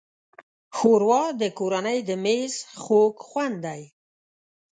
ښوروا د کورنۍ د مېز خوږ خوند دی.